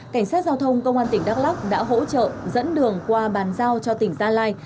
cảnh sát giao thông công an tỉnh đắk lắc đã hỗ trợ dẫn đường qua bàn giao cho tỉnh gia lai